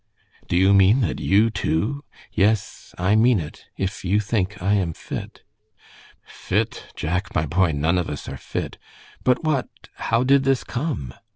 "Do you mean that you, too " "Yes, I mean it, if you think I am fit." "Fit, Jack, my boy! None of us are fit. But what how did this come?"